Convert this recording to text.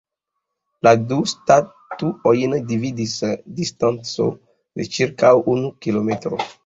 La du statuojn dividis distanco de ĉirkaŭ unu kilometro.